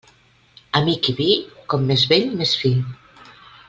Amic i vi, com més vell més fi.